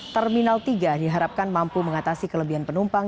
terminal tiga diharapkan mampu mengatasi kelebihan penumpang